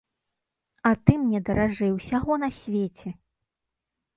А ты мне даражэй усяго на свеце!